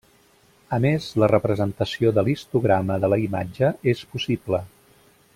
A més, la representació de l'histograma de la imatge és possible.